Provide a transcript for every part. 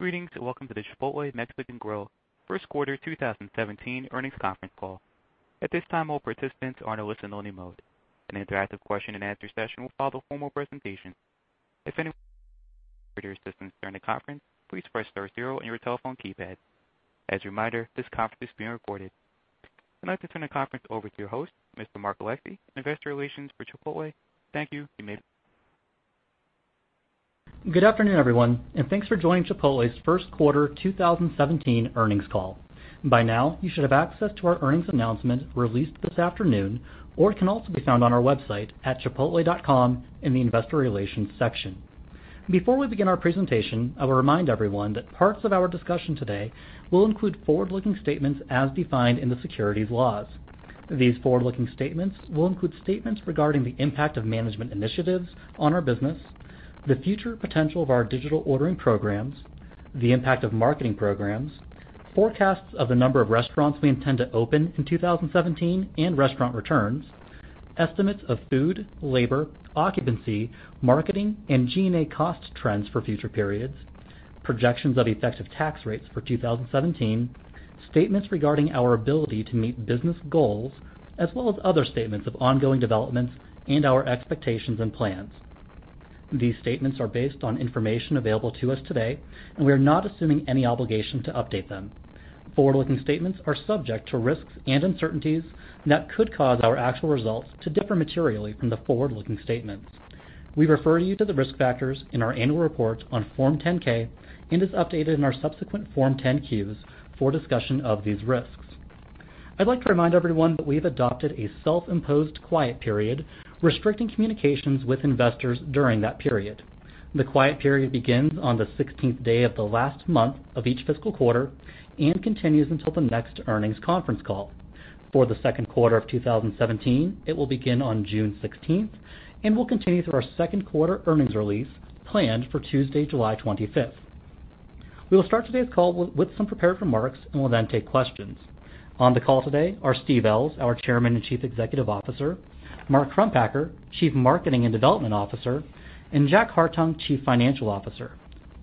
Greetings, welcome to the Chipotle Mexican Grill first quarter 2017 earnings conference call. At this time, all participants are in a listen-only mode. An interactive question and answer session will follow formal presentation. If anyone for your assistance during the conference, please press star zero on your telephone keypad. As a reminder, this conference is being recorded. I'd like to turn the conference over to your host, Mr. Mark Alexee, investor relations for Chipotle. Thank you. You may begin. Good afternoon, everyone, thanks for joining Chipotle's first quarter 2017 earnings call. By now, you should have access to our earnings announcement released this afternoon, or it can also be found on our website at chipotle.com in the investor relations section. Before we begin our presentation, I will remind everyone that parts of our discussion today will include forward-looking statements as defined in the securities laws. These forward-looking statements will include statements regarding the impact of management initiatives on our business, the future potential of our digital ordering programs, the impact of marketing programs, forecasts of the number of restaurants we intend to open in 2017, and restaurant returns, estimates of food, labor, occupancy, marketing, and G&A cost trends for future periods, projections of effective tax rates for 2017, statements regarding our ability to meet business goals, as well as other statements of ongoing developments in our expectations and plans. These statements are based on information available to us today, and we are not assuming any obligation to update them. Forward-looking statements are subject to risks and uncertainties that could cause our actual results to differ materially from the forward-looking statements. We refer you to the risk factors in our annual report on Form 10-K and is updated in our subsequent Form 10-Q for a discussion of these risks. I'd like to remind everyone that we've adopted a self-imposed quiet period restricting communications with investors during that period. The quiet period begins on the 16th day of the last month of each fiscal quarter and continues until the next earnings conference call. For the second quarter of 2017, it will begin on June 16th and will continue through our second quarter earnings release planned for Tuesday, July 25th. We will start today's call with some prepared remarks and will then take questions. On the call today are Steve Ells, our Chairman and Chief Executive Officer, Mark Crumpacker, Chief Marketing and Development Officer, and Jack Hartung, Chief Financial Officer.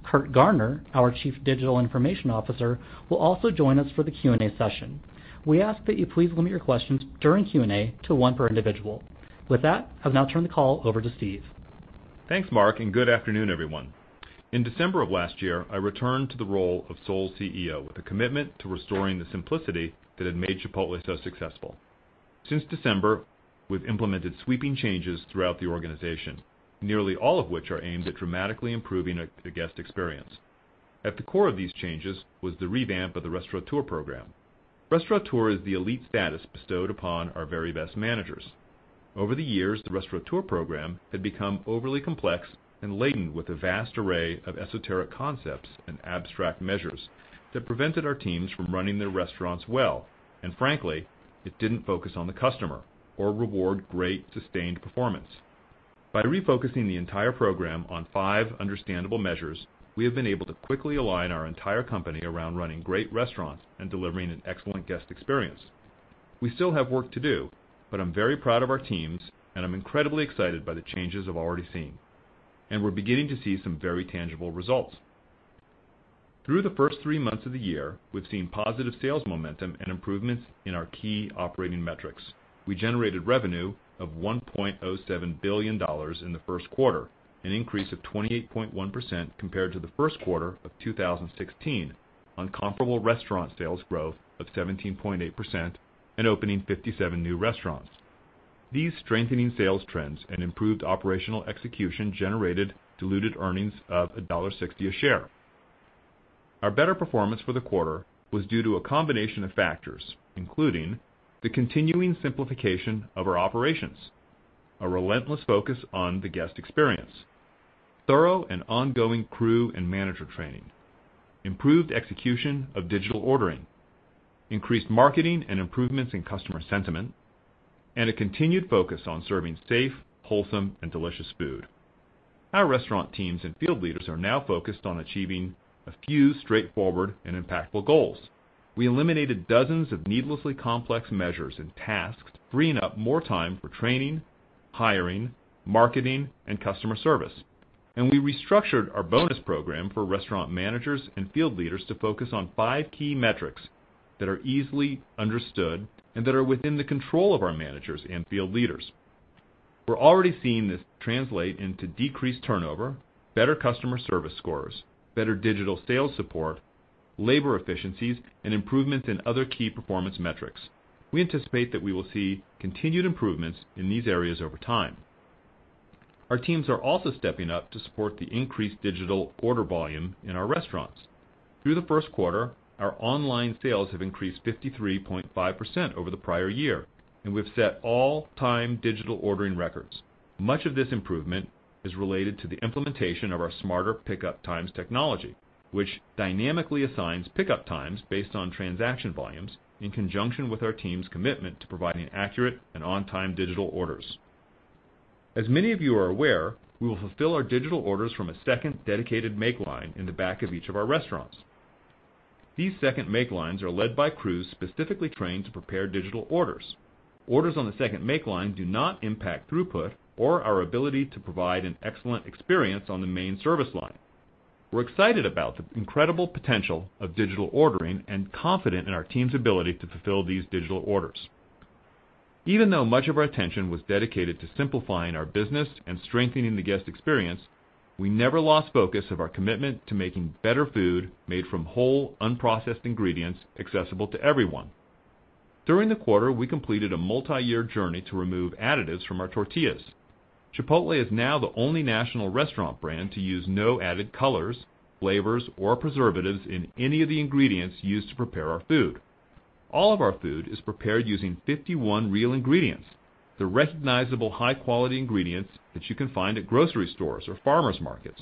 Curt Garner, our Chief Digital Information Officer, will also join us for the Q&A session. We ask that you please limit your questions during Q&A to one per individual. With that, I'll now turn the call over to Steve. Thanks, Mark, good afternoon, everyone. In December of last year, I returned to the role of sole CEO with a commitment to restoring the simplicity that had made Chipotle so successful. Since December, we've implemented sweeping changes throughout the organization, nearly all of which are aimed at dramatically improving the guest experience. At the core of these changes was the revamp of the Restaurateur program. Restaurateur is the elite status bestowed upon our very best managers. Over the years, the Restaurateur program had become overly complex and laden with a vast array of esoteric concepts and abstract measures that prevented our teams from running their restaurants well, and frankly, it didn't focus on the customer or reward great, sustained performance. By refocusing the entire program on five understandable measures, we have been able to quickly align our entire company around running great restaurants and delivering an excellent guest experience. We still have work to do, but I'm very proud of our teams, and I'm incredibly excited by the changes I've already seen. We're beginning to see some very tangible results. Through the first three months of the year, we've seen positive sales momentum and improvements in our key operating metrics. We generated revenue of $1.07 billion in the first quarter, an increase of 28.1% compared to the first quarter of 2016 on comparable restaurant sales growth of 17.8% and opening 57 new restaurants. These strengthening sales trends and improved operational execution generated diluted earnings of $1.60 a share. Our better performance for the quarter was due to a combination of factors, including the continuing simplification of our operations, a relentless focus on the guest experience, thorough and ongoing crew and manager training, improved execution of digital ordering, increased marketing and improvements in customer sentiment, and a continued focus on serving safe, wholesome, and delicious food. Our restaurant teams and field leaders are now focused on achieving a few straightforward and impactful goals. We eliminated dozens of needlessly complex measures and tasks, freeing up more time for training, hiring, marketing, and customer service. We restructured our bonus program for restaurant managers and field leaders to focus on five key metrics that are easily understood and that are within the control of our managers and field leaders. We're already seeing this translate into decreased turnover, better customer service scores, better digital sales support, labor efficiencies, and improvements in other key performance metrics. We anticipate that we will see continued improvements in these areas over time. Our teams are also stepping up to support the increased digital order volume in our restaurants. Through the first quarter, our online sales have increased 53.5% over the prior year, and we've set all-time digital ordering records. Much of this improvement is related to the implementation of our Smarter Pickup Times technology, which dynamically assigns pickup times based on transaction volumes in conjunction with our team's commitment to providing accurate and on-time digital orders. As many of you are aware, we will fulfill our digital orders from a second dedicated make line in the back of each of our restaurants. These second make lines are led by crews specifically trained to prepare digital orders. Orders on the second make line do not impact throughput or our ability to provide an excellent experience on the main service line. We're excited about the incredible potential of digital ordering and confident in our team's ability to fulfill these digital orders. Even though much of our attention was dedicated to simplifying our business and strengthening the guest experience, we never lost focus of our commitment to making better food made from whole unprocessed ingredients accessible to everyone. During the quarter, we completed a multi-year journey to remove additives from our tortillas. Chipotle is now the only national restaurant brand to use no added colors, flavors, or preservatives in any of the ingredients used to prepare our food. All of our food is prepared using 51 real ingredients, the recognizable high-quality ingredients that you can find at grocery stores or farmers markets.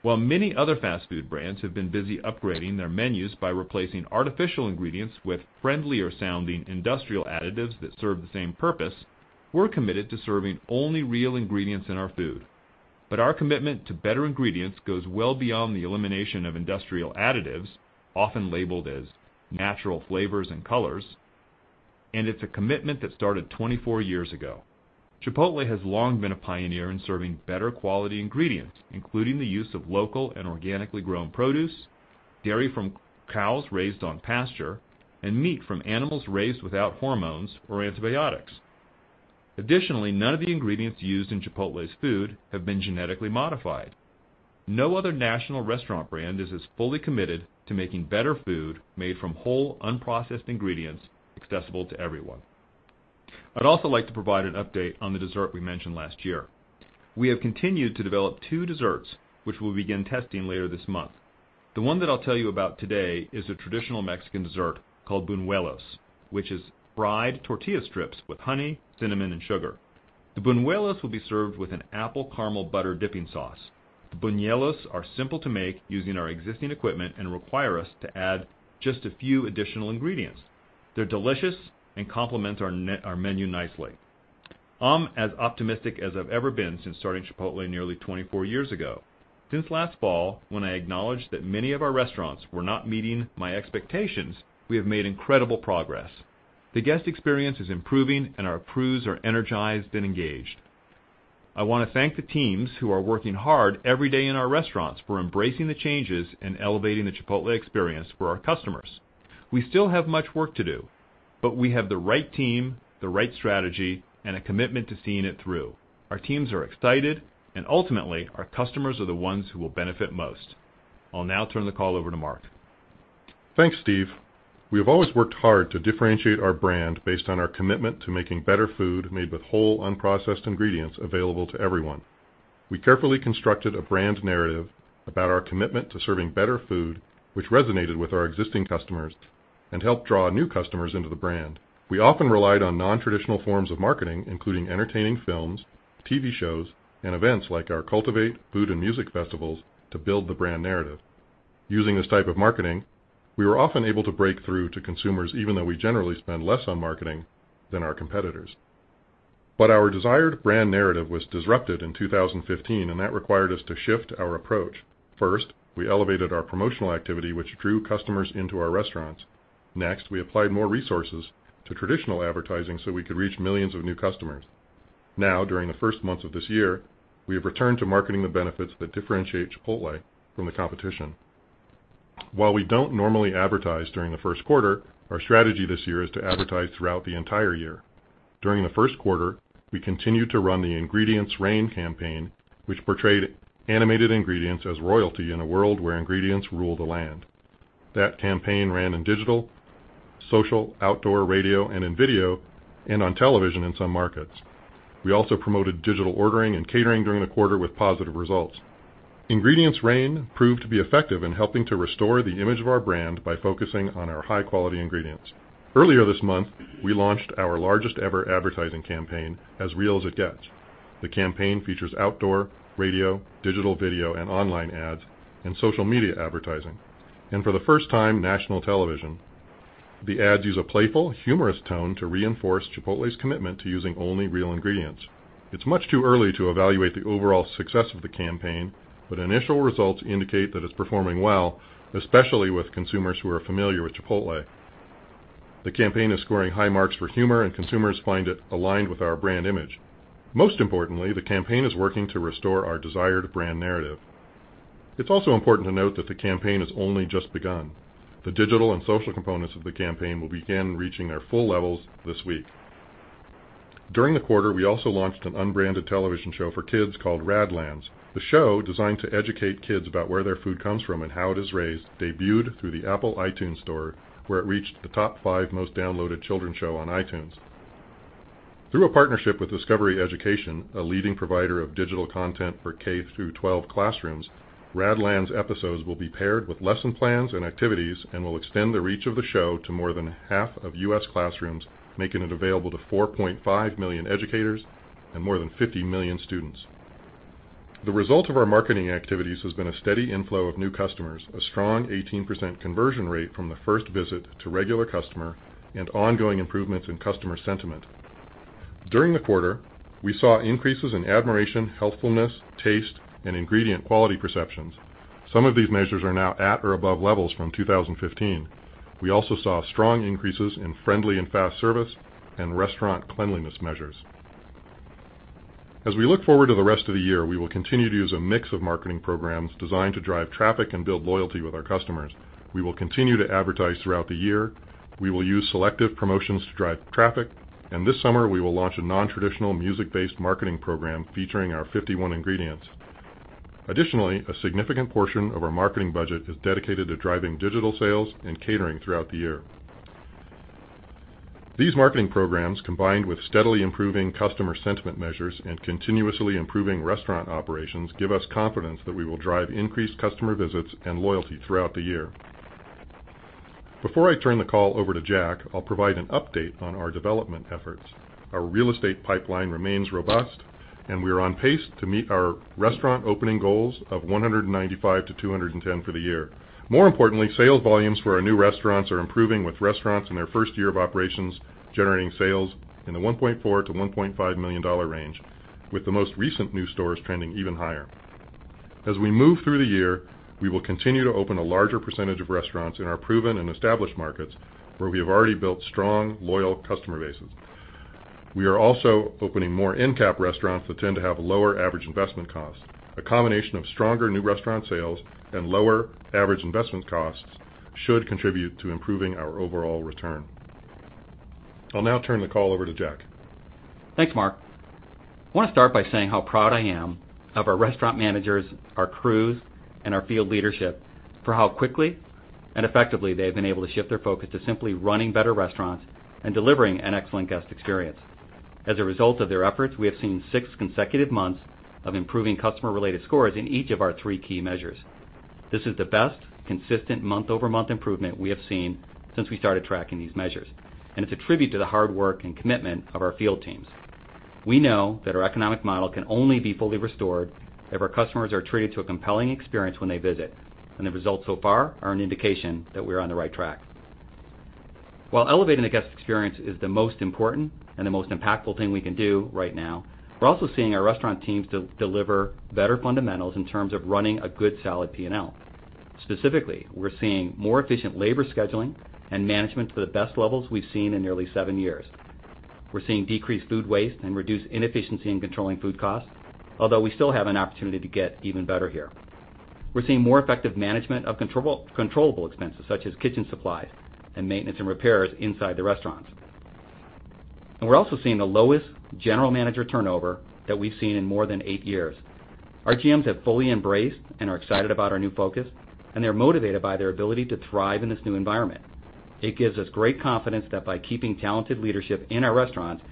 While many other fast food brands have been busy upgrading their menus by replacing artificial ingredients with friendlier sounding industrial additives that serve the same purpose, we're committed to serving only real ingredients in our food. Our commitment to better ingredients goes well beyond the elimination of industrial additives, often labeled as natural flavors and colors, and it's a commitment that started 24 years ago. Chipotle has long been a pioneer in serving better quality ingredients, including the use of local and organically grown produce, dairy from cows raised on pasture, and meat from animals raised without hormones or antibiotics. Additionally, none of the ingredients used in Chipotle's food have been genetically modified. No other national restaurant brand is as fully committed to making better food made from whole unprocessed ingredients accessible to everyone. I'd also like to provide an update on the dessert we mentioned last year. We have continued to develop two desserts, which we'll begin testing later this month. The one that I'll tell you about today is a traditional Mexican dessert called buñuelos, which is fried tortilla strips with honey, cinnamon, and sugar. The buñuelos will be served with an apple caramel butter dipping sauce. The buñuelos are simple to make using our existing equipment and require us to add just a few additional ingredients. They're delicious and complement our menu nicely. I'm as optimistic as I've ever been since starting Chipotle nearly 24 years ago. Since last fall, when I acknowledged that many of our restaurants were not meeting my expectations, we have made incredible progress. The guest experience is improving, and our crews are energized and engaged. I want to thank the teams who are working hard every day in our restaurants for embracing the changes and elevating the Chipotle experience for our customers. We still have much work to do, but we have the right team, the right strategy, and a commitment to seeing it through. Our teams are excited, and ultimately, our customers are the ones who will benefit most. I'll now turn the call over to Mark. Thanks, Steve. We have always worked hard to differentiate our brand based on our commitment to making better food made with whole unprocessed ingredients available to everyone. We carefully constructed a brand narrative about our commitment to serving better food, which resonated with our existing customers and helped draw new customers into the brand. We often relied on nontraditional forms of marketing, including entertaining films, TV shows, and events like our Cultivate food and music festivals to build the brand narrative. Using this type of marketing, we were often able to break through to consumers, even though we generally spend less on marketing than our competitors. Our desired brand narrative was disrupted in 2015, and that required us to shift our approach. First, we elevated our promotional activity, which drew customers into our restaurants. Next, we applied more resources to traditional advertising so we could reach millions of new customers. Now, during the first months of this year, we have returned to marketing the benefits that differentiate Chipotle from the competition. While we don't normally advertise during the first quarter, our strategy this year is to advertise throughout the entire year. During the first quarter, we continued to run the Ingredients Reign campaign, which portrayed animated ingredients as royalty in a world where ingredients rule the land. That campaign ran in digital, social, outdoor, radio, and in video, and on television in some markets. We also promoted digital ordering and catering during the quarter with positive results. Ingredients Reign proved to be effective in helping to restore the image of our brand by focusing on our high-quality ingredients. Earlier this month, we launched our largest ever advertising campaign, As Real As It Gets. The campaign features outdoor, radio, digital video, and online ads and social media advertising. For the first time, national television. The ads use a playful, humorous tone to reinforce Chipotle's commitment to using only real ingredients. It's much too early to evaluate the overall success of the campaign, but initial results indicate that it's performing well, especially with consumers who are familiar with Chipotle. The campaign is scoring high marks for humor, and consumers find it aligned with our brand image. Most importantly, the campaign is working to restore our desired brand narrative. It's also important to note that the campaign has only just begun. The digital and social components of the campaign will begin reaching their full levels this week. During the quarter, we also launched an unbranded television show for kids called Rad Lands. The show, designed to educate kids about where their food comes from and how it is raised, debuted through the iTunes Store, where it reached the top five most downloaded children's show on iTunes. Through a partnership with Discovery Education, a leading provider of digital content for K-12 classrooms, Rad Lands episodes will be paired with lesson plans and activities and will extend the reach of the show to more than half of U.S. classrooms, making it available to 4.5 million educators and more than 50 million students. The result of our marketing activities has been a steady inflow of new customers, a strong 18% conversion rate from the first visit to regular customer, and ongoing improvements in customer sentiment. During the quarter, we saw increases in admiration, healthfulness, taste, and ingredient quality perceptions. Some of these measures are now at or above levels from 2015. We also saw strong increases in friendly and fast service and restaurant cleanliness measures. As we look forward to the rest of the year, we will continue to use a mix of marketing programs designed to drive traffic and build loyalty with our customers. We will continue to advertise throughout the year, we will use selective promotions to drive traffic, and this summer we will launch a nontraditional music-based marketing program featuring our 51 ingredients. Additionally, a significant portion of our marketing budget is dedicated to driving digital sales and catering throughout the year. These marketing programs, combined with steadily improving customer sentiment measures and continuously improving restaurant operations, give us confidence that we will drive increased customer visits and loyalty throughout the year. Before I turn the call over to Jack, I'll provide an update on our development efforts. Our real estate pipeline remains robust, and we are on pace to meet our restaurant opening goals of 195-210 for the year. More importantly, sales volumes for our new restaurants are improving, with restaurants in their first year of operations generating sales in the $1.4 million-$1.5 million range, with the most recent new stores trending even higher. As we move through the year, we will continue to open a larger percentage of restaurants in our proven and established markets where we have already built strong, loyal customer bases. We are also opening more end-cap restaurants that tend to have lower average investment costs. A combination of stronger new restaurant sales and lower average investment costs should contribute to improving our overall return. I'll now turn the call over to Jack. Thanks, Mark. I want to start by saying how proud I am of our restaurant managers, our crews, and our field leadership for how quickly and effectively they have been able to shift their focus to simply running better restaurants and delivering an excellent guest experience. As a result of their efforts, we have seen six consecutive months of improving customer-related scores in each of our three key measures. This is the best consistent month-over-month improvement we have seen since we started tracking these measures, and it's a tribute to the hard work and commitment of our field teams. We know that our economic model can only be fully restored if our customers are treated to a compelling experience when they visit, and the results so far are an indication that we're on the right track. While elevating the guest experience is the most important and the most impactful thing we can do right now, we're also seeing our restaurant teams deliver better fundamentals in terms of running a good, solid P&L. Specifically, we're seeing more efficient labor scheduling and management to the best levels we've seen in nearly seven years. We're seeing decreased food waste and reduced inefficiency in controlling food costs, although we still have an opportunity to get even better here. We're seeing more effective management of controllable expenses such as kitchen supplies and maintenance and repairs inside the restaurants. We're also seeing the lowest general manager turnover that we've seen in more than eight years. Our GMs have fully embraced and are excited about our new focus, and they're motivated by their ability to thrive in this new environment. It gives us great confidence that by keeping talented leadership in our restaurants,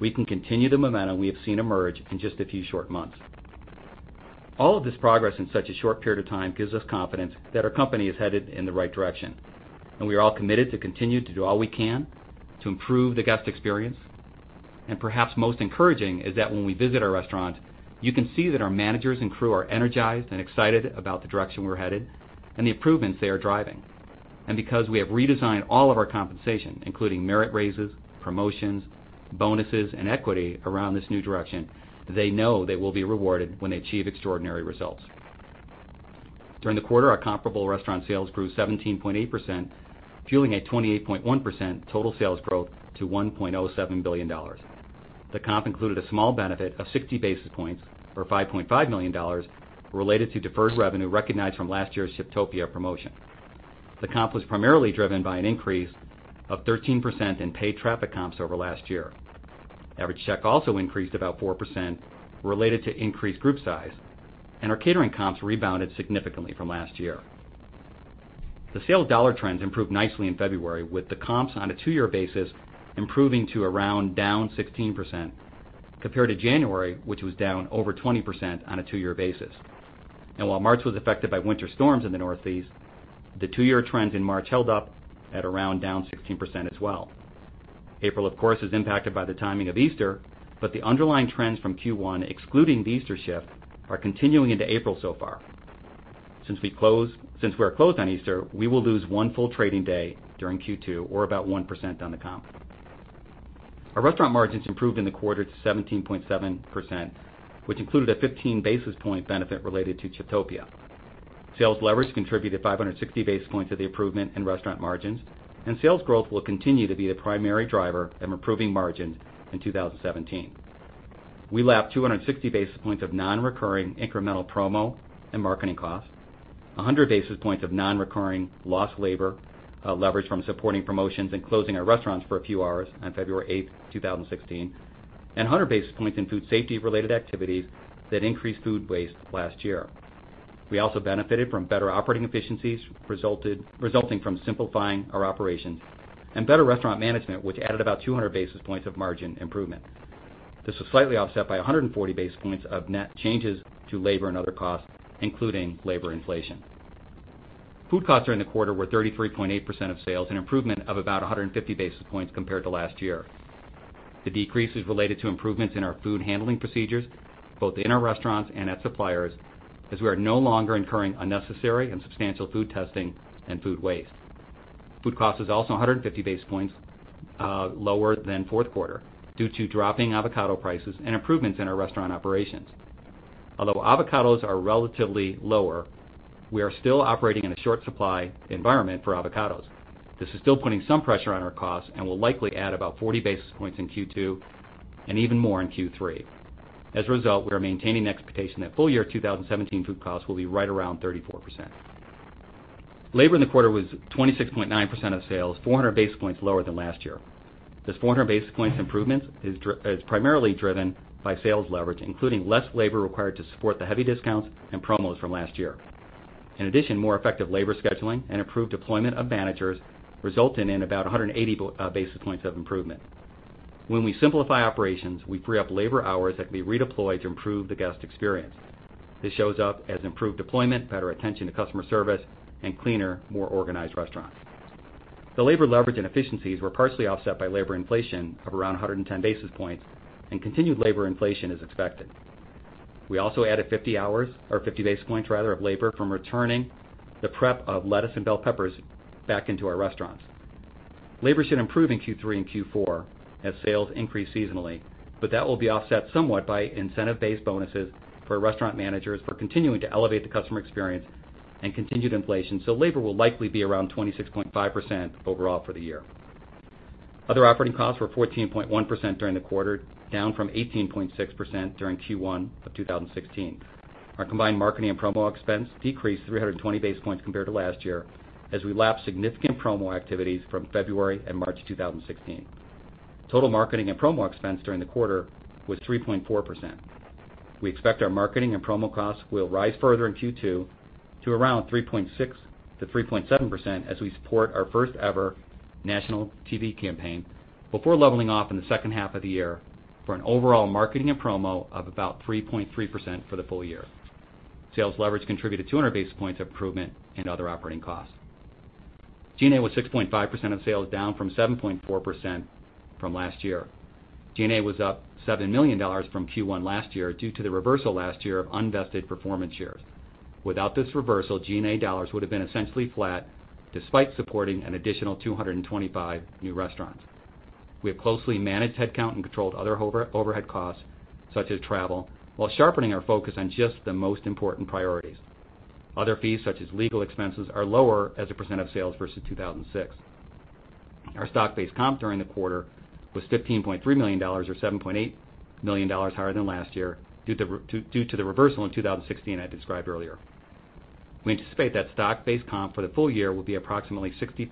we can continue the momentum we have seen emerge in just a few short months. All of this progress in such a short period of time gives us confidence that our company is headed in the right direction, and we are all committed to continue to do all we can to improve the guest experience. Perhaps most encouraging is that when we visit our restaurants, you can see that our managers and crew are energized and excited about the direction we're headed and the improvements they are driving. Because we have redesigned all of our compensation, including merit raises, promotions, bonuses, and equity around this new direction, they know they will be rewarded when they achieve extraordinary results. During the quarter, our comparable restaurant sales grew 17.8%, fueling a 28.1% total sales growth to $1.07 billion. The comp included a small benefit of 60 basis points or $5.5 million related to deferred revenue recognized from last year's Chiptopia promotion. The comp was primarily driven by an increase of 13% in paid traffic comps over last year. Average check also increased about 4% related to increased group size, and our catering comps rebounded significantly from last year. The sales dollar trends improved nicely in February, with the comps on a two-year basis improving to around down 16%, compared to January, which was down over 20% on a two-year basis. While March was affected by winter storms in the Northeast, the two-year trends in March held up at around down 16% as well. April, of course, is impacted by the timing of Easter, but the underlying trends from Q1, excluding the Easter shift, are continuing into April so far. Since we are closed on Easter, we will lose one full trading day during Q2, or about 1% on the comp. Our restaurant margins improved in the quarter to 17.7%, which included a 15 basis point benefit related to Chiptopia. Sales leverage contributed 560 basis points of the improvement in restaurant margins. Sales growth will continue to be the primary driver of improving margins in 2017. We lapped 260 basis points of non-recurring incremental promo and marketing costs, 100 basis points of non-recurring lost labor leverage from supporting promotions and closing our restaurants for a few hours on February 8th, 2016, and 100 basis points in food safety-related activities that increased food waste last year. We also benefited from better operating efficiencies resulting from simplifying our operations and better restaurant management, which added about 200 basis points of margin improvement. This was slightly offset by 140 basis points of net changes to labor and other costs, including labor inflation. Food costs during the quarter were 33.8% of sales, an improvement of about 150 basis points compared to last year. The decrease is related to improvements in our food handling procedures, both in our restaurants and at suppliers, as we are no longer incurring unnecessary and substantial food testing and food waste. Food cost was also 150 basis points lower than fourth quarter due to dropping avocado prices and improvements in our restaurant operations. Although avocados are relatively lower, we are still operating in a short supply environment for avocados. This is still putting some pressure on our costs and will likely add about 40 basis points in Q2 and even more in Q3. As a result, we are maintaining expectation that full year 2017 food costs will be right around 34%. Labor in the quarter was 26.9% of sales, 400 basis points lower than last year. This 400 basis points improvement is primarily driven by sales leverage, including less labor required to support the heavy discounts and promos from last year. In addition, more effective labor scheduling and improved deployment of managers resulted in about 180 basis points of improvement. When we simplify operations, we free up labor hours that can be redeployed to improve the guest experience. This shows up as improved deployment, better attention to customer service, and cleaner, more organized restaurants. The labor leverage and efficiencies were partially offset by labor inflation of around 110 basis points, and continued labor inflation is expected. We also added 50 hours, or 50 basis points rather, of labor from returning the prep of lettuce and bell peppers back into our restaurants. Labor should improve in Q3 and Q4 as sales increase seasonally, but that will be offset somewhat by incentive-based bonuses for restaurant managers for continuing to elevate the customer experience and continued inflation. Labor will likely be around 26.5% overall for the year. Other operating costs were 14.1% during the quarter, down from 18.6% during Q1 of 2016. Our combined marketing and promo expense decreased 320 basis points compared to last year, as we lapped significant promo activities from February and March 2016. Total marketing and promo expense during the quarter was 3.4%. We expect our marketing and promo costs will rise further in Q2 to around 3.6%-3.7% as we support our first-ever national TV campaign before leveling off in the second half of the year for an overall marketing and promo of about 3.3% for the full year. Sales leverage contributed 200 basis points of improvement in other operating costs. G&A was 6.5% of sales, down from 7.4% from last year. G&A was up $7 million from Q1 last year due to the reversal last year of unvested performance shares. Without this reversal, G&A dollars would've been essentially flat despite supporting an additional 225 new restaurants. We have closely managed headcount and controlled other overhead costs, such as travel, while sharpening our focus on just the most important priorities. Other fees, such as legal expenses, are lower as a percent of sales versus 2016. Our stock-based comp during the quarter was $15.3 million, or $7.8 million higher than last year due to the reversal in 2016 I described earlier. We anticipate that stock-based comp for the full year will be approximately $65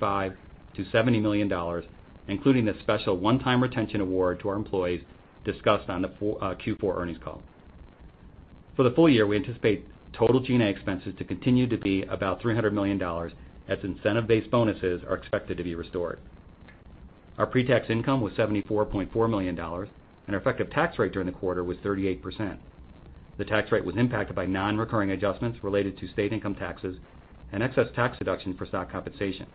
million-$70 million, including the special one-time retention award to our employees discussed on the Q4 earnings call. For the full year, we anticipate total G&A expenses to continue to be about $300 million, as incentive-based bonuses are expected to be restored. Our pre-tax income was $74.4 million, and our effective tax rate during the quarter was 38%. The tax rate was impacted by non-recurring adjustments related to state income taxes and excess tax deductions for stock compensation.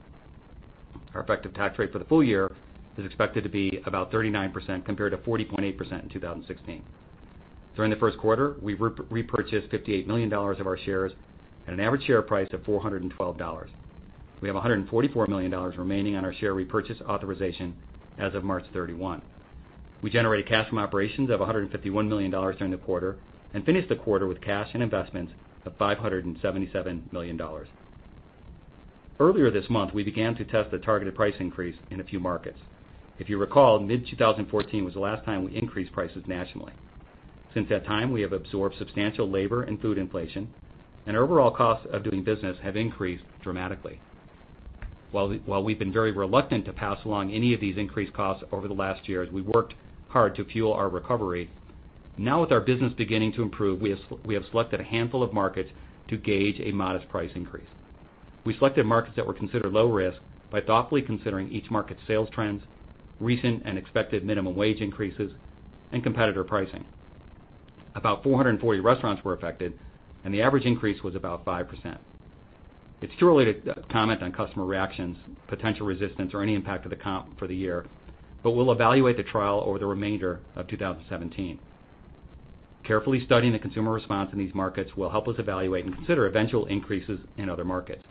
Our effective tax rate for the full year is expected to be about 39%, compared to 40.8% in 2016. During the first quarter, we repurchased $58 million of our shares at an average share price of $412. We have $144 million remaining on our share repurchase authorization as of March 31. We generated cash from operations of $151 million during the quarter and finished the quarter with cash and investments of $577 million. Earlier this month, we began to test a targeted price increase in a few markets. If you recall, mid-2014 was the last time we increased prices nationally. Since that time, we have absorbed substantial labor and food inflation, and overall costs of doing business have increased dramatically. While we've been very reluctant to pass along any of these increased costs over the last year, as we worked hard to fuel our recovery, now with our business beginning to improve, we have selected a handful of markets to gauge a modest price increase. We selected markets that were considered low risk by thoughtfully considering each market's sales trends, recent and expected minimum wage increases, and competitor pricing. About 440 restaurants were affected, and the average increase was about 5%. It's too early to comment on customer reactions, potential resistance, or any impact to the comp for the year, but we'll evaluate the trial over the remainder of 2017. Carefully studying the consumer response in these markets will help us evaluate and consider eventual increases in other markets,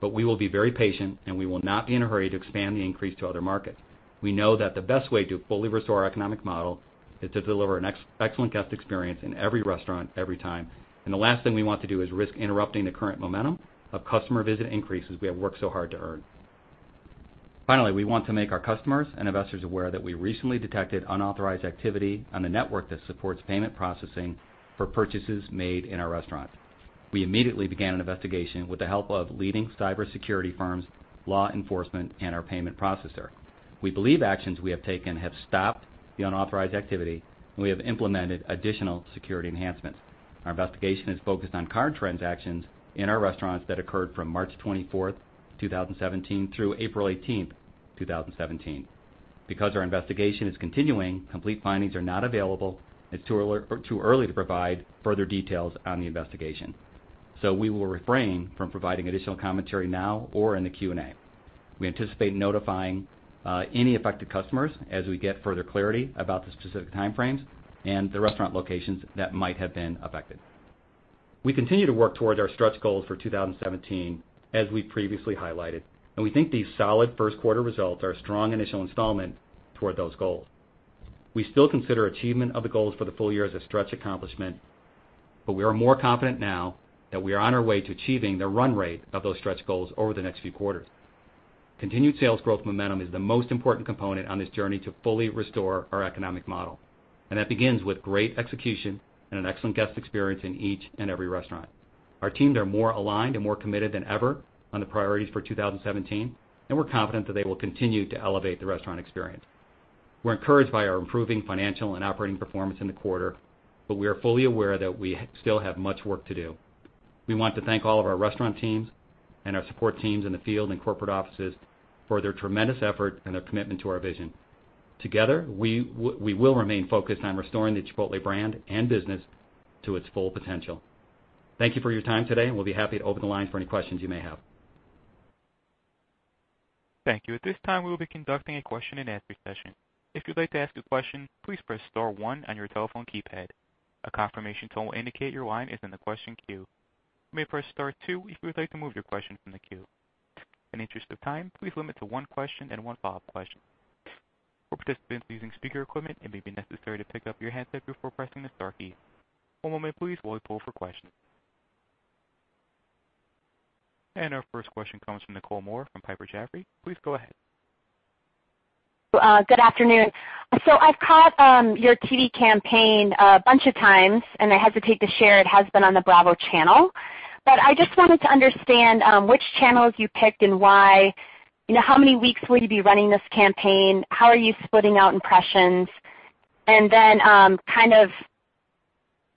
but we will be very patient, and we will not be in a hurry to expand the increase to other markets. We know that the best way to fully restore our economic model is to deliver an excellent guest experience in every restaurant, every time, and the last thing we want to do is risk interrupting the current momentum of customer visit increases we have worked so hard to earn. Finally, we want to make our customers and investors aware that we recently detected unauthorized activity on the network that supports payment processing for purchases made in our restaurants. We immediately began an investigation with the help of leading cybersecurity firms, law enforcement, and our payment processor. We believe actions we have taken have stopped the unauthorized activity, and we have implemented additional security enhancements. Our investigation is focused on card transactions in our restaurants that occurred from March 24th, 2017, through April 18th, 2017. Because our investigation is continuing, complete findings are not available, and it's too early to provide further details on the investigation. We will refrain from providing additional commentary now or in the Q&A. We anticipate notifying any affected customers as we get further clarity about the specific time frames and the restaurant locations that might have been affected. We continue to work towards our stretch goals for 2017, as we previously highlighted. We think these solid first quarter results are a strong initial installment toward those goals. We still consider achievement of the goals for the full year as a stretch accomplishment, we are more confident now that we are on our way to achieving the run rate of those stretch goals over the next few quarters. Continued sales growth momentum is the most important component on this journey to fully restore our economic model, that begins with great execution and an excellent guest experience in each and every restaurant. Our teams are more aligned and more committed than ever on the priorities for 2017, we're confident that they will continue to elevate the restaurant experience. We're encouraged by our improving financial and operating performance in the quarter, we are fully aware that we still have much work to do. We want to thank all of our restaurant teams and our support teams in the field and corporate offices for their tremendous effort and their commitment to our vision. Together, we will remain focused on restoring the Chipotle brand and business to its full potential. Thank you for your time today, we'll be happy to open the lines for any questions you may have. Thank you. At this time, we will be conducting a question-and-answer session. If you'd like to ask a question, please press star one on your telephone keypad. A confirmation tone will indicate your line is in the question queue. You may press star two if you would like to move your question from the queue. In the interest of time, please limit to one question and one follow-up question. For participants using speaker equipment, it may be necessary to pick up your handset before pressing the star key. One moment, please, while we poll for questions. Our first question comes from Nicole Moore from Piper Jaffray. Please go ahead. Good afternoon. I've caught your TV campaign a bunch of times, and I hesitate to share it has been on the Bravo channel. I just wanted to understand which channels you picked and why. How many weeks will you be running this campaign? How are you splitting out impressions? Then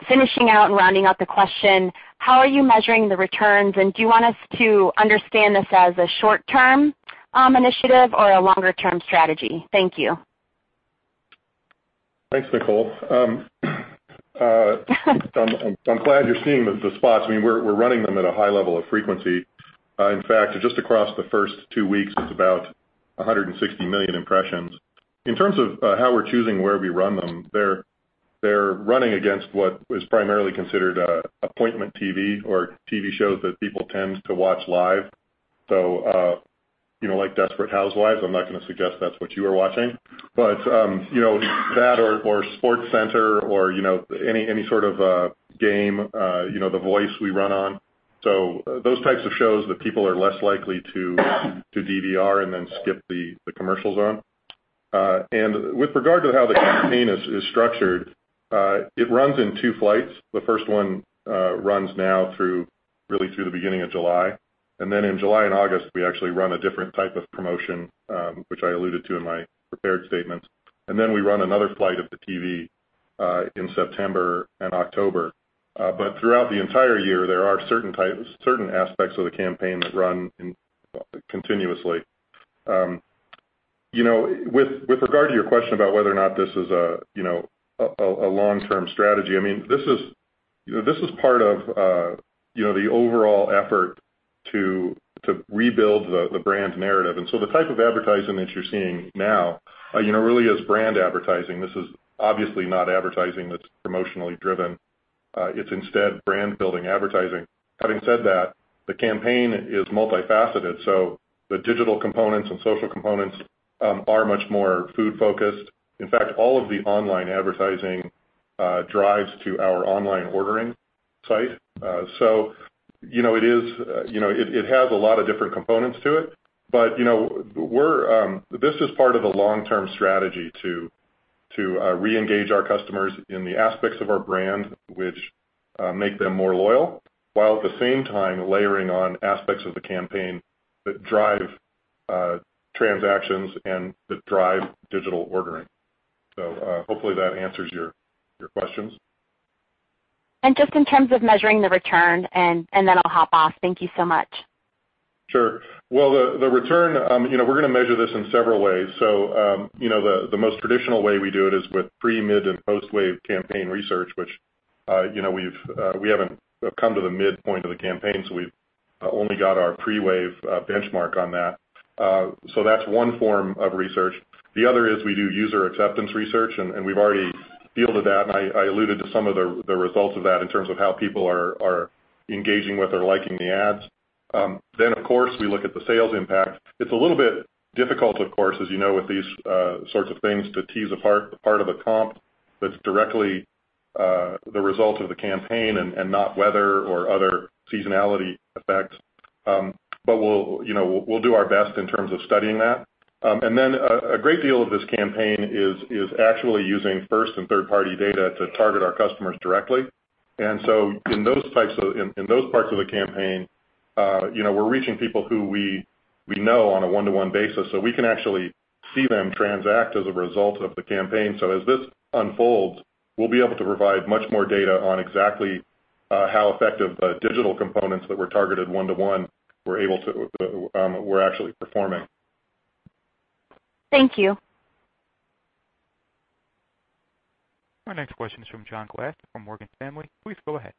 finishing out and rounding out the question, how are you measuring the returns? Do you want us to understand this as a short-term initiative or a longer-term strategy? Thank you. Thanks, Nicole. I'm glad you're seeing the spots. We're running them at a high level of frequency. In fact, just across the first 2 weeks, it's about 160 million impressions. In terms of how we're choosing where we run them, they're running against what is primarily considered appointment TV or TV shows that people tend to watch live. Like "Desperate Housewives," I'm not going to suggest that's what you are watching. But that or "SportsCenter" or any sort of game, "The Voice" we run on. Those types of shows that people are less likely to DVR and then skip the commercials on. With regard to how the campaign is structured, it runs in two flights. The first one runs now through the beginning of July. Then in July and August, we actually run a different type of promotion, which I alluded to in my prepared statements. Then we run another flight of the TV in September and October. Throughout the entire year, there are certain aspects of the campaign that run continuously. With regard to your question about whether or not this is a long-term strategy, this is part of the overall effort to rebuild the brand narrative. The type of advertising that you're seeing now really is brand advertising. This is obviously not advertising that's promotionally driven. It's instead brand-building advertising. Having said that, the campaign is multifaceted, so the digital components and social components are much more food focused. In fact, all of the online advertising drives to our online ordering site. It has a lot of different components to it. This is part of the long-term strategy to reengage our customers in the aspects of our brand which make them more loyal, while at the same time layering on aspects of the campaign that drive transactions and that drive digital ordering. Hopefully that answers your questions. Just in terms of measuring the return, I'll hop off. Thank you so much. Sure. The return, we're going to measure this in several ways. The most traditional way we do it is with pre, mid, and post-wave campaign research, which we haven't come to the midpoint of the campaign, we've only got our pre-wave benchmark on that. That's one form of research. The other is we do user acceptance research, and we've already fielded that, and I alluded to some of the results of that in terms of how people are engaging with or liking the ads. Of course, we look at the sales impact. It's a little bit difficult, of course, as you know, with these sorts of things, to tease apart the part of a comp that's directly the result of the campaign and not weather or other seasonality effects. We'll do our best in terms of studying that. A great deal of this campaign is actually using first and third-party data to target our customers directly. In those parts of the campaign we're reaching people who we know on a one-to-one basis, we can actually see them transact as a result of the campaign. As this unfolds, we'll be able to provide much more data on exactly how effective digital components that were targeted one-to-one were actually performing. Thank you. Our next question is from John Glass from Morgan Stanley. Please go ahead.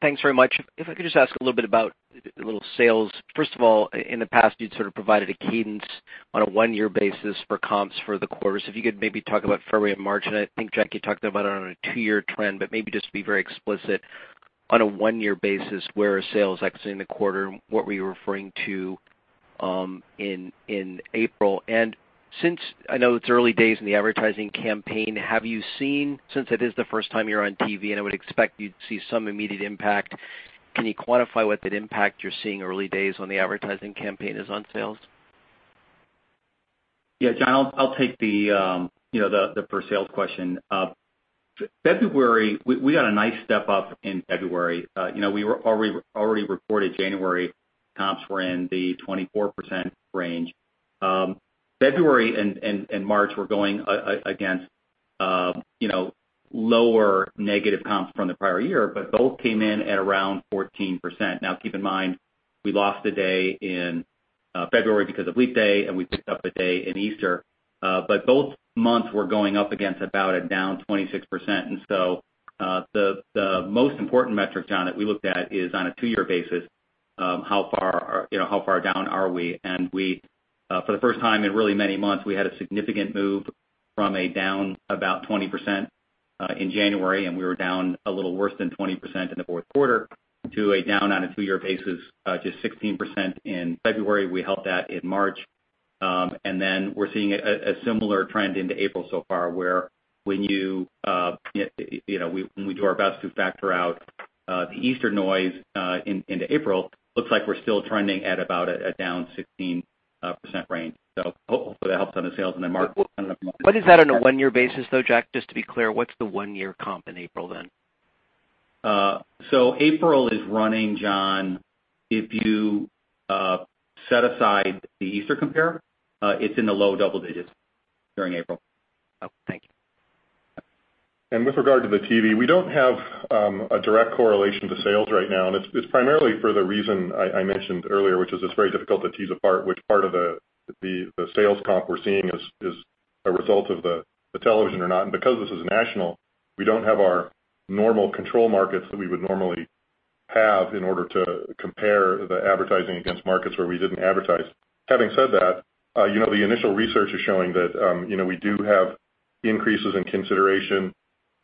Thanks very much. If I could just ask a little bit about a little sales. First of all, in the past, you'd sort of provided a cadence on a one-year basis for comps for the quarter. If you could maybe talk about February and March, and I think Jack, you talked about it on a two-year trend, but maybe just be very explicit on a one-year basis where sales exiting the quarter, what were you referring to? In April. Since I know it's early days in the advertising campaign, have you seen, since it is the first time you're on TV, and I would expect you'd see some immediate impact, can you quantify what that impact you're seeing early days on the advertising campaign is on sales? Yeah, John, I'll take the per sales question. February, we got a nice step up in February. We already reported January comps were in the 24% range. February and March were going against lower negative comps from the prior year, both came in at around 14%. Now keep in mind, we lost a day in February because of leap day, and we picked up a day in Easter. Both months were going up against about a down 26%. The most important metric, John, that we looked at is on a two-year basis, how far down are we? For the first time in really many months, we had a significant move from a down about 20% in January, and we were down a little worse than 20% in the fourth quarter to a down on a two-year basis, just 16% in February. We held that in March. We're seeing a similar trend into April so far where when we do our best to factor out the Easter noise into April, looks like we're still trending at about a down 16% range. Hopefully that helps on the sales. Mark, I don't know if you want to- What is that on a one-year basis, though, Jack, just to be clear, what's the one-year comp in April then? April is running, John, if you set aside the Easter compare, it's in the low double digits during April. Okay, thank you. With regard to the TV, we don't have a direct correlation to sales right now, and it's primarily for the reason I mentioned earlier, which is it's very difficult to tease apart which part of the sales comp we're seeing is a result of the television or not. Because this is national, we don't have our normal control markets that we would normally have in order to compare the advertising against markets where we didn't advertise. Having said that, the initial research is showing that we do have increases in consideration,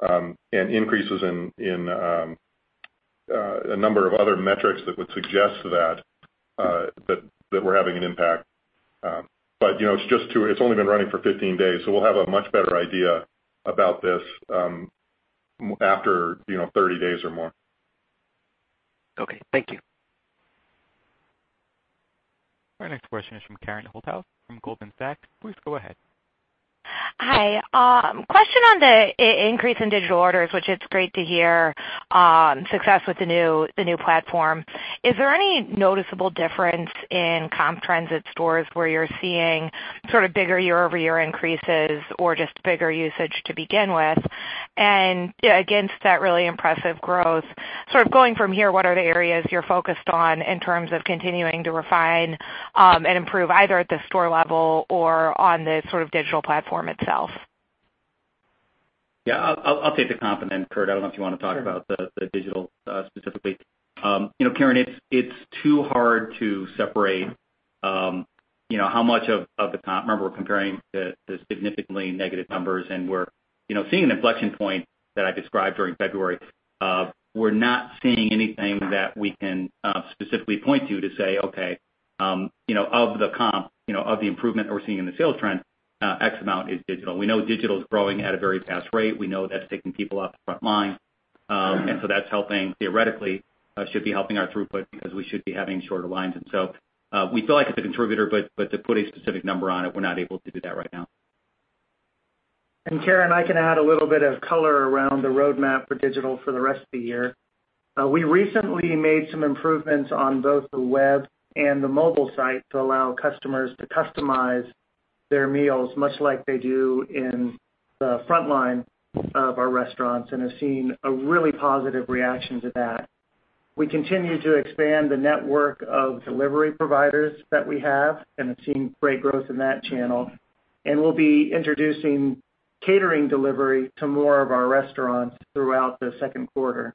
and increases in a number of other metrics that would suggest that we're having an impact. It's only been running for 15 days, so we'll have a much better idea about this after 30 days or more. Okay. Thank you. Our next question is from Karen Holthouse from Goldman Sachs. Please go ahead. Hi. Question on the increase in digital orders, which it's great to hear success with the new platform. Is there any noticeable difference in comp trends at stores where you're seeing sort of bigger year-over-year increases or just bigger usage to begin with? Against that really impressive growth, sort of going from here, what are the areas you're focused on in terms of continuing to refine and improve, either at the store level or on the sort of digital platform itself? I'll take the comp. Curt, I don't know if you want to talk about the digital specifically. Karen, it's too hard to separate how much of the comp. Remember, we're comparing the significantly negative numbers, we're seeing an inflection point that I described during February. We're not seeing anything that we can specifically point to say, "Okay, of the comp, of the improvement that we're seeing in the sales trend, X amount is digital." We know digital's growing at a very fast rate. We know that's taking people off the front line. That's helping, theoretically, should be helping our throughput because we should be having shorter lines. We feel like it's a contributor, but to put a specific number on it, we're not able to do that right now. Karen, I can add a little bit of color around the roadmap for digital for the rest of the year. We recently made some improvements on both the web and the mobile site to allow customers to customize their meals, much like they do in the frontline of our restaurants, and have seen a really positive reaction to that. We continue to expand the network of delivery providers that we have and have seen great growth in that channel, we'll be introducing catering delivery to more of our restaurants throughout the second quarter.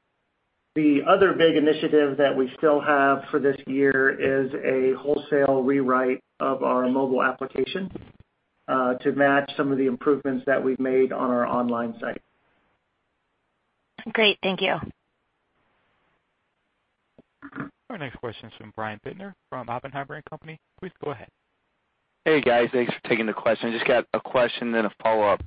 The other big initiative that we still have for this year is a wholesale rewrite of our mobile application to match some of the improvements that we've made on our online site. Great. Thank you. Our next question is from Brian Bittner from Oppenheimer & Co.. Please go ahead. Hey, guys. Thanks for taking the question. Just got a question, then a follow-up.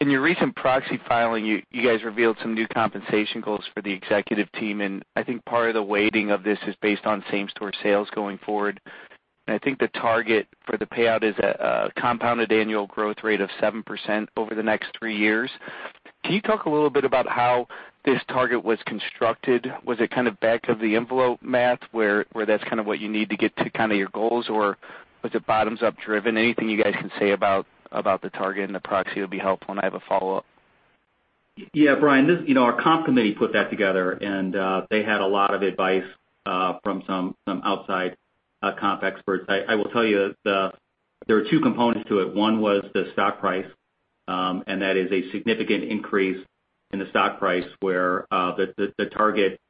In your recent proxy filing, you guys revealed some new compensation goals for the executive team. I think part of the weighting of this is based on same store sales going forward. I think the target for the payout is a compounded annual growth rate of 7% over the next three years. Can you talk a little bit about how this target was constructed? Was it kind of back of the envelope math where that's kind of what you need to get to kind of your goals, or was it bottoms-up driven? Anything you guys can say about the target and the proxy would be helpful, and I have a follow-up. Yeah. Brian, our comp committee put that together, and they had a lot of advice from some outside comp experts. I will tell you, there were two components to it. One was the stock price, and that is a significant increase in the stock price where the target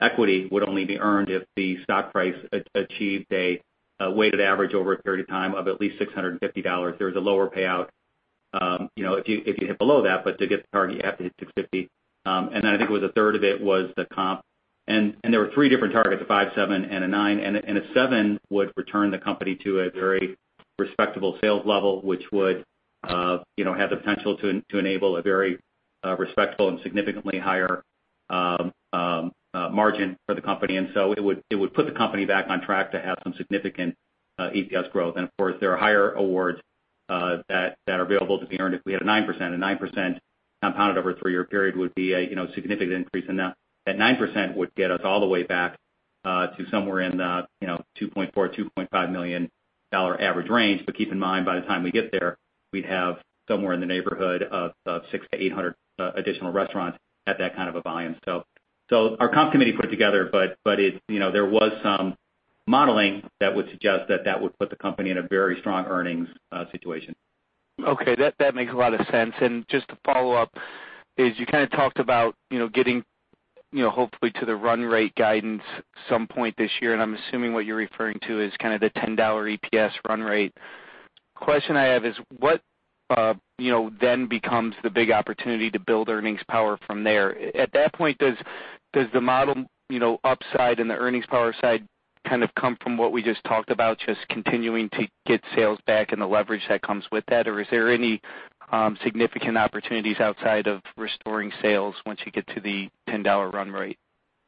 equity would only be earned if the stock price achieved a weighted average over a period of time of at least $650. There was a lower payout if you hit below that, but to get the target, you have to hit $650. I think it was a third of it was the comp. There were three different targets, a five, seven, and a nine. A seven would return the company to a very respectable sales level, which would have the potential to enable a very respectful and significantly higher margin for the company. It would put the company back on track to have some significant EPS growth. Of course, there are higher awards that are available to be earned if we had a 9%. A 9% compounded over a three-year period would be a significant increase. That 9% would get us all the way back to somewhere in the $2.4 million-$2.5 million average range. Keep in mind, by the time we get there, we'd have somewhere in the neighborhood of 600 to 800 additional restaurants at that kind of a volume. Our comp committee put it together, but there was some modeling that would suggest that that would put the company in a very strong earnings situation. Okay. That makes a lot of sense. Just to follow up, is you kind of talked about getting hopefully to the run rate guidance some point this year, and I'm assuming what you're referring to is kind of the $10 EPS run rate. Question I have is what then becomes the big opportunity to build earnings power from there? At that point, does the model upside and the earnings power side kind of come from what we just talked about, just continuing to get sales back and the leverage that comes with that? Is there any significant opportunities outside of restoring sales once you get to the $10 run rate?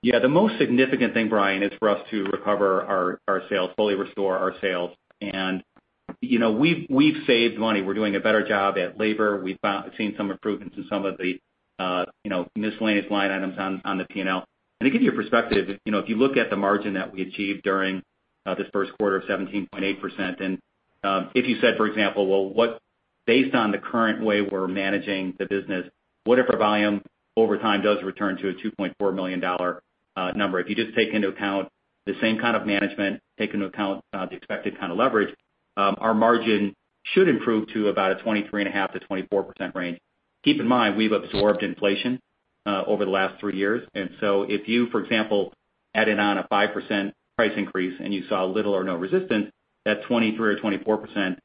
Yeah, the most significant thing, Brian, is for us to recover our sales, fully restore our sales. We've saved money. We're doing a better job at labor. We've seen some improvements in some of the miscellaneous line items on the P&L. To give you a perspective, if you look at the margin that we achieved during this first quarter of 17.8%, and if you said, for example, based on the current way we're managing the business, what if our volume over time does return to a $2.4 million number? If you just take into account the same kind of management, take into account the expected kind of leverage, our margin should improve to about a 23.5%-24% range. Keep in mind, we've absorbed inflation over the last 3 years. If you, for example, added on a 5% price increase and you saw little or no resistance, that 23% or 24%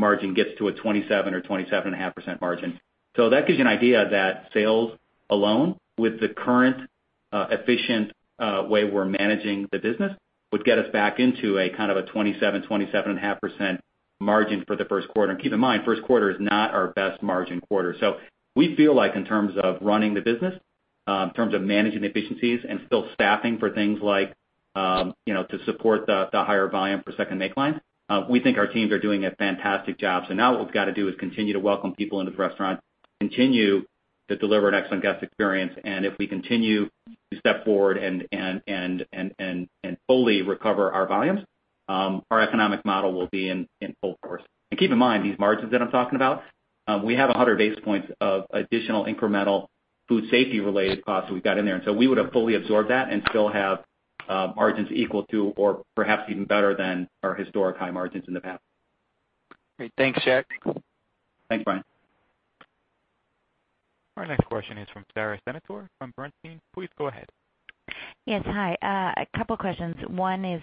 margin gets to a 27% or 27.5% margin. That gives you an idea that sales alone with the current efficient way we're managing the business would get us back into a kind of a 27%, 27.5% margin for the first quarter. Keep in mind, first quarter is not our best margin quarter. We feel like in terms of running the business, in terms of managing efficiencies and still staffing for things like to support the higher volume for second make line, we think our teams are doing a fantastic job. Now what we've got to do is continue to welcome people into the restaurant, continue to deliver an excellent guest experience. If we continue to step forward and fully recover our volumes, our economic model will be in full force. Keep in mind, these margins that I'm talking about, we have 100 basis points of additional incremental food safety related costs that we've got in there. We would have fully absorbed that and still have margins equal to or perhaps even better than our historic high margins in the past. Great. Thanks, Jack. Thanks, Brian. Our next question is from Sara Senatore from Bernstein. Please go ahead. Yes, hi. A couple questions. One is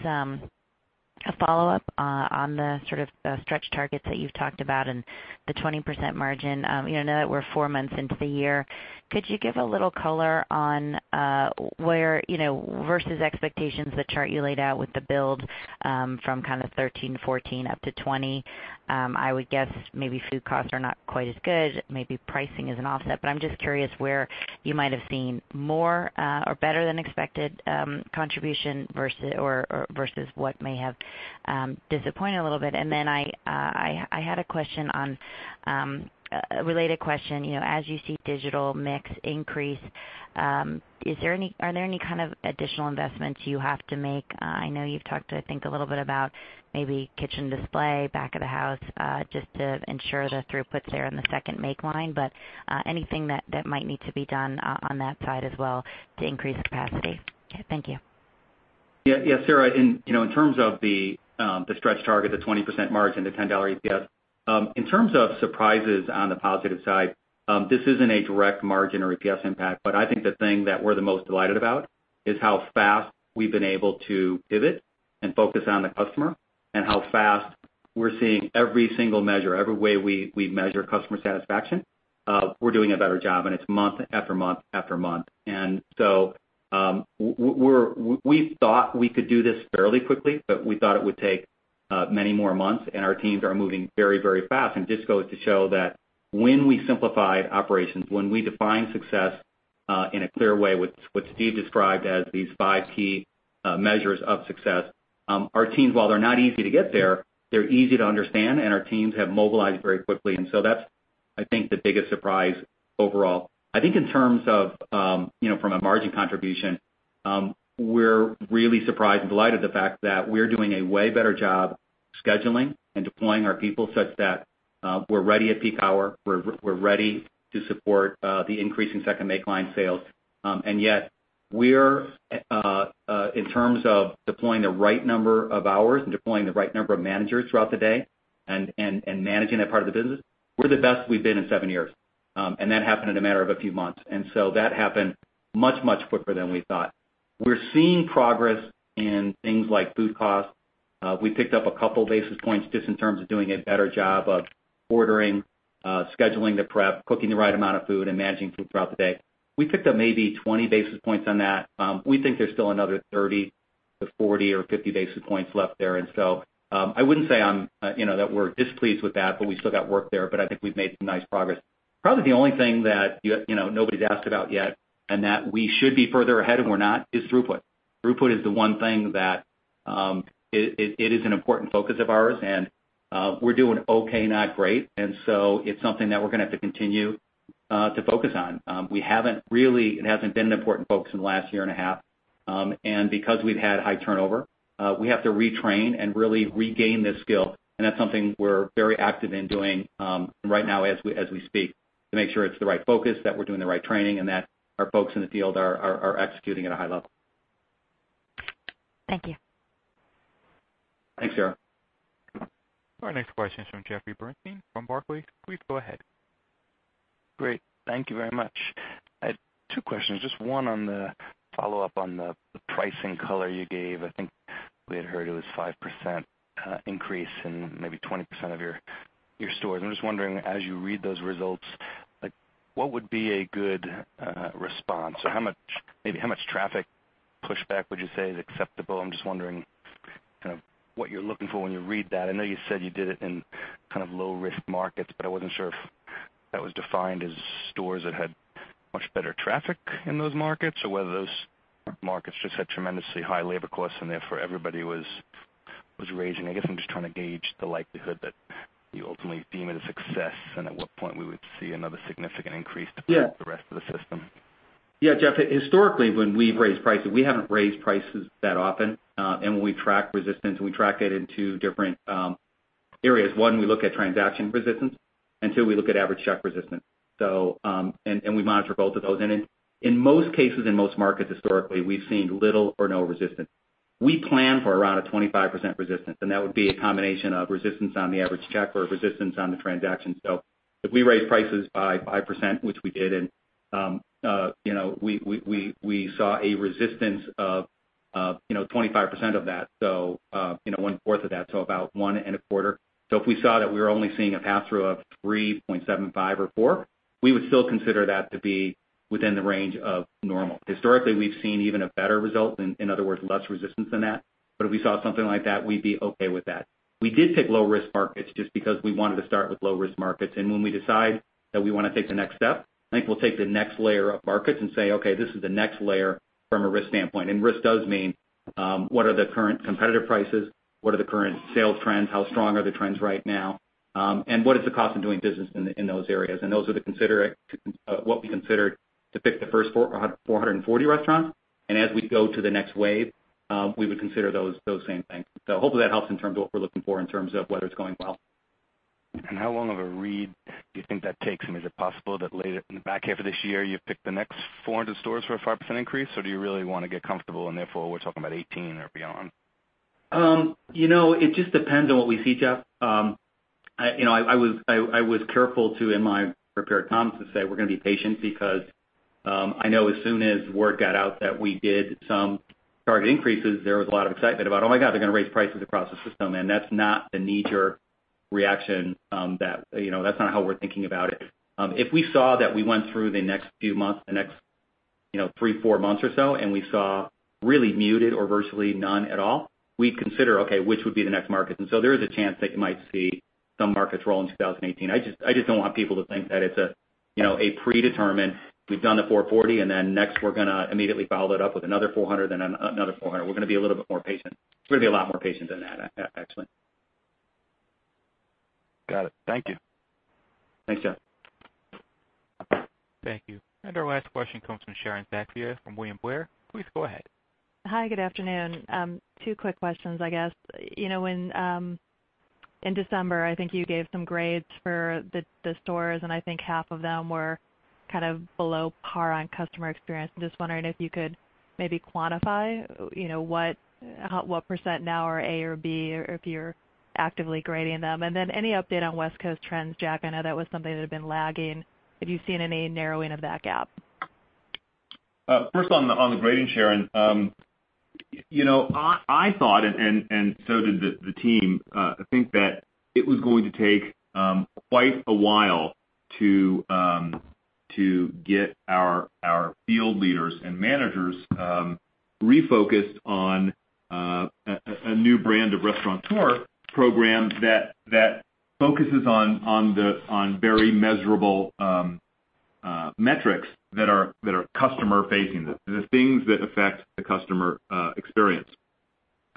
a follow-up on the sort of stretch targets that you've talked about and the 20% margin. I know that we're four months into the year. Could you give a little color on where versus expectations, the chart you laid out with the build from kind of 13, 14 up to 20? I would guess maybe food costs are not quite as good, maybe pricing is an offset. I'm just curious where you might have seen more or better than expected contribution versus what may have disappointed a little bit. I had a related question. As you see digital mix increase, are there any kind of additional investments you have to make? I know you've talked, I think, a little bit about maybe kitchen display, back of the house, just to ensure the throughput's there in the second make line, but anything that might need to be done on that side as well to increase capacity? Okay. Thank you. Yeah, Sara, in terms of the stretch target, the 20% margin, the $10 EPS, in terms of surprises on the positive side, this isn't a direct margin or EPS impact, but I think the thing that we're the most delighted about is how fast we've been able to pivot and focus on the customer and how fast we're seeing every single measure, every way we measure customer satisfaction, we're doing a better job, and it's month after month after month. We thought we could do this fairly quickly, but we thought it would take many more months, and our teams are moving very fast. Just goes to show that when we simplified operations, when we define success in a clear way with what Steve described as these five key measures of success, our teams, while they're not easy to get there, they're easy to understand, and our teams have mobilized very quickly. That's, I think, the biggest surprise overall. I think in terms of from a margin contribution, we're really surprised and delighted at the fact that we're doing a way better job scheduling and deploying our people such that we're ready at peak hour, we're ready to support the increase in second make line sales. Yet we're, in terms of deploying the right number of hours and deploying the right number of managers throughout the day and managing that part of the business, we're the best we've been in seven years. That happened in a matter of a few months. That happened much quicker than we thought. We're seeing progress in things like food cost. We picked up a couple basis points just in terms of doing a better job of ordering, scheduling the prep, cooking the right amount of food, and managing food throughout the day. We picked up maybe 20 basis points on that. We think there's still another 30 to 40 or 50 basis points left there. I wouldn't say that we're displeased with that, but we still got work there. I think we've made some nice progress. Probably the only thing that nobody's asked about yet and that we should be further ahead and we're not, is throughput. Throughput is the one thing that is an important focus of ours, and we're doing okay, not great. It's something that we're going to have to continue to focus on. It hasn't been an important focus in the last year and a half. Because we've had high turnover, we have to retrain and really regain this skill. That's something we're very active in doing right now as we speak, to make sure it's the right focus, that we're doing the right training, and that our folks in the field are executing at a high level. Thank you. Thanks, Sara. Our next question is from Jeffrey Bernstein from Barclays. Please go ahead. Great. Thank you very much. I had two questions. Just one on the follow-up on the pricing color you gave. I think we had heard it was 5% increase in maybe 20% of your stores. I'm just wondering, as you read those results, what would be a good response? Or maybe how much traffic pushback would you say is acceptable? I'm just wondering what you're looking for when you read that. I know you said you did it in low-risk markets, but I wasn't sure if that was defined as stores that had much better traffic in those markets or whether those markets just had tremendously high labor costs and therefore everybody was raging. I guess I'm just trying to gauge the likelihood that you ultimately deem it a success and at what point we would see another significant increase. Yeah to the rest of the system. Yeah, Jeff, historically, when we've raised prices, we haven't raised prices that often. When we track resistance, we track that in two different areas. One, we look at transaction resistance, and two, we look at average check resistance. We monitor both of those. In most cases, in most markets historically, we've seen little or no resistance. We plan for around a 25% resistance, and that would be a combination of resistance on the average check or resistance on the transaction. If we raise prices by 5%, which we did, and we saw a resistance of 25% of that, one fourth of that, about one and a quarter. If we saw that we were only seeing a pass-through of 3.75 or 4%, we would still consider that to be within the range of normal. Historically, we've seen even a better result, in other words, less resistance than that. If we saw something like that, we'd be okay with that. We did pick low-risk markets just because we wanted to start with low-risk markets. When we decide that we want to take the next step, I think we'll take the next layer of markets and say, "Okay, this is the next layer from a risk standpoint." Risk does mean, what are the current competitive prices? What are the current sales trends? How strong are the trends right now? What is the cost of doing business in those areas? Those are what we considered to pick the first 440 restaurants. As we go to the next wave, we would consider those same things. Hopefully that helps in terms of what we're looking for in terms of whether it's going well. How long of a read do you think that takes? Is it possible that later in the back half of this year, you'll pick the next 400 stores for a 5% increase? Do you really want to get comfortable, and therefore, we're talking about 2018 or beyond? It just depends on what we see, Jeff. I was careful to, in my prepared comments, to say we're going to be patient because I know as soon as word got out that we did some target increases, there was a lot of excitement about, "Oh my God, they're going to raise prices across the system." That's not the knee-jerk reaction. That's not how we're thinking about it. If we saw that we went through the next few months, the next three, four months or so, and we saw really muted or virtually none at all, we'd consider, okay, which would be the next markets? There is a chance that you might see some markets roll in 2018. I just don't want people to think that it's a predetermined, we've done the 440, and then next, we're going to immediately follow that up with another 400, then another 400. We're going to be a little bit more patient. We're going to be a lot more patient than that, actually. Got it. Thank you. Thanks, Jeff. Thank you. Our last question comes from Sharon Zackfia from William Blair. Please go ahead. Hi, good afternoon. Two quick questions, I guess. In December, I think you gave some grades for the stores, and I think half of them were below par on customer experience. I'm just wondering if you could maybe quantify what % now are A or B, or if you're actively grading them. Then any update on West Coast trends, Jack? I know that was something that had been lagging. Have you seen any narrowing of that gap? First on the grading, Sharon. I thought, and so did the team, think that it was going to take quite a while to get our field leaders and managers refocused on a new brand of Restaurateur program that focuses on very measurable metrics that are customer facing, the things that affect the customer experience.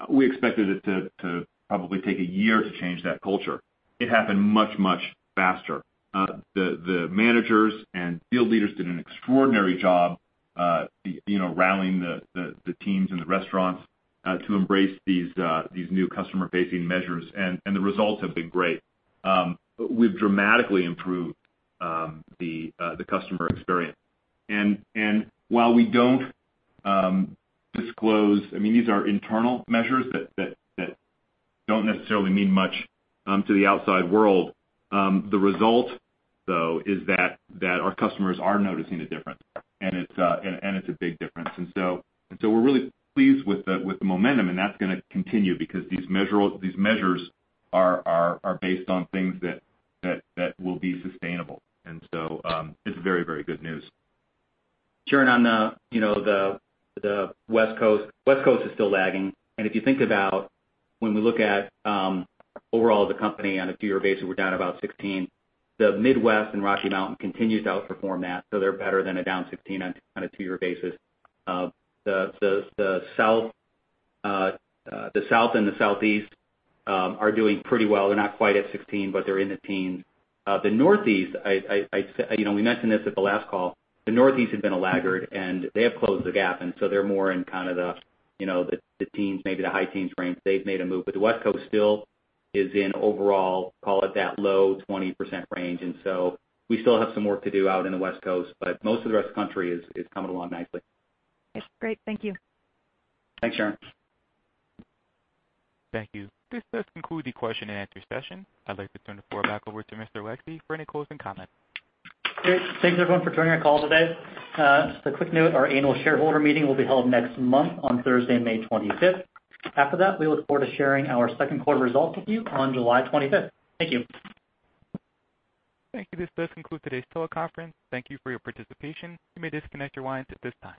We expected it to probably take a year to change that culture. It happened much, much faster. The managers and field leaders did an extraordinary job rallying the teams in the restaurants to embrace these new customer-facing measures, and the results have been great. We've dramatically improved the customer experience. While we don't disclose, these are internal measures that don't necessarily mean much to the outside world. The result, though, is that our customers are noticing a difference, and it's a big difference. We're really pleased with the momentum, that's going to continue because these measures are based on things that will be sustainable. It's very, very good news. Sharon, on the West Coast, West Coast is still lagging. If you think about when we look at overall the company on a two-year basis, we're down about 16%. The Midwest and Rocky Mountain continues to outperform that, so they're better than a down 16% on a two-year basis. The South and the Southeast are doing pretty well. They're not quite at 16%, but they're in the teens. We mentioned this at the last call. The Northeast had been a laggard, they have closed the gap, they're more in the teens, maybe the high teens range. They've made a move. The West Coast still is in overall, call it that low 20% range. We still have some work to do out in the West Coast, but most of the rest of the country is coming along nicely. Yes. Great. Thank you. Thanks, Sharon. Thank you. This does conclude the question and answer session. I'd like to turn the floor back over to Mr. Wesby for any closing comments. Great. Thanks, everyone, for joining our call today. Just a quick note, our annual shareholder meeting will be held next month on Thursday, May 25th. After that, we look forward to sharing our second quarter results with you on July 25th. Thank you. Thank you. This does conclude today's teleconference. Thank you for your participation. You may disconnect your lines at this time.